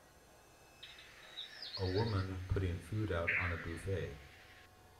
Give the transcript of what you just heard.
A woman putting food out on a buffet.